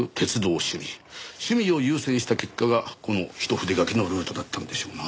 趣味を優先した結果がこの一筆書きのルートだったんでしょうな。